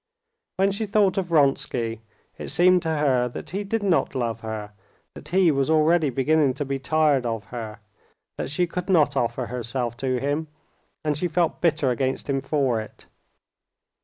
When she thought of Vronsky, it seemed to her that he did not love her, that he was already beginning to be tired of her, that she could not offer herself to him, and she felt bitter against him for it.